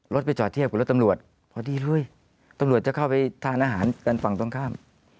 ไปจอดเทียบกับรถตำรวจพอดีเลยตำรวจจะเข้าไปทานอาหารกันฝั่งตรงข้าม